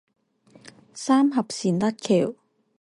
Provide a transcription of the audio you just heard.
三峽善德橋